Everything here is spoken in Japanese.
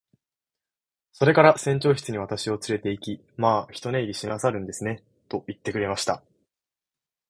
それから船長室に私をつれて行き、「まあ一寝入りしなさるんですね。」と言ってくれました。